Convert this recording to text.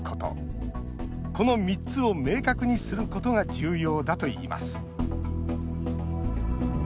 この３つを明確にすることが重要だといいます。